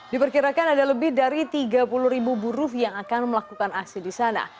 diperkirakan ada lebih dari tiga puluh ribu buruh yang akan melakukan aksi di sana